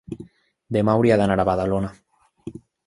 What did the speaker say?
demà hauria d'anar a Badalona.